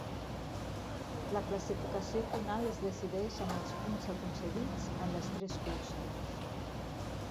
La classificació final es decideix amb els punts aconseguits en les tres curses.